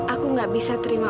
aku gak bisa terima